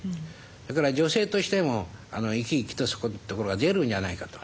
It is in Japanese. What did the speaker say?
それから女性としても生き生きとそこんところは出るんじゃないかと。